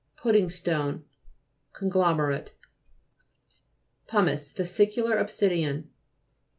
PUDDING STONE Conglomerate. P.UMICE Vesicular obsidian.